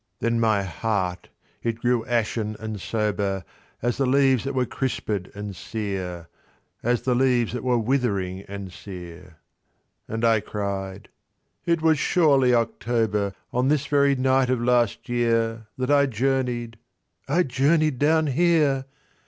Then my heart it grew ashen and sober As the leaves that were crispèd and sere— As the leaves that were withering and sere— And I cried—"It was surely October On this very night of last year, That I journeyed—I journeyed down here!